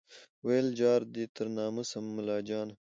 ویل جار دي تر نامه سم مُلاجانه